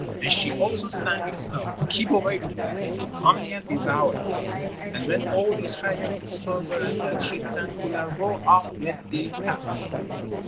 And she also sang a spell to keep away the bear from coming and devouring them. And when all these prayers and spells were ended she sent Kullervo off with the herds.